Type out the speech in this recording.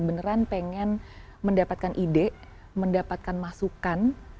beneran pengen mendapatkan ide mendapatkan masukan